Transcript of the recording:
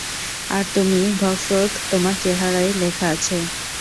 আর তুমি ভক্সোদ, তোমার চেহারায় লেখা আছে।